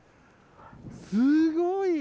すごい。